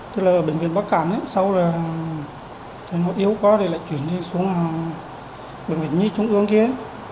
tức là ở bệnh viện bắc cạn sau đó thì nó yếu có thì lại chuyển đi xuống bệnh viện nhi trung mương kia